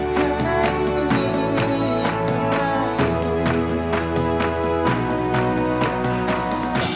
karena ini yang kemaru